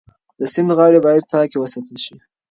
د سیند غاړې باید پاکې وساتل شي.